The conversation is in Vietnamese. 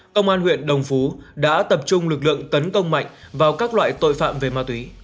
công an huyện đồng phú đã tập trung lực lượng tấn công mạnh vào các loại tội phạm về ma túy